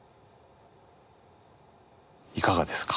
いかがですか？